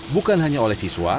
bukan hanya oleh siswa